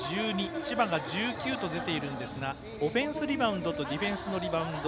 千葉が１９と出ているんですがオフェンスリバウンドとディフェンスのリバウンド